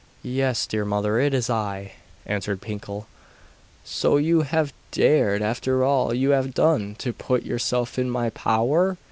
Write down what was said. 'Yes, dear mother, it is I,' answered Pinkel. 'So you have dared, after all you have done, to put yourself in my power!